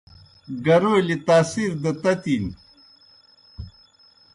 گَرَولِیْ تاثِیر دہ تَتِن۔